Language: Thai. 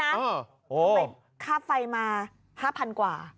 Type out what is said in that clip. ทำไมค่าไฟมา๕๐๐๐กว่า